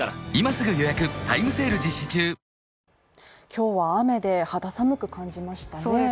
今日は雨で肌寒く感じましたね？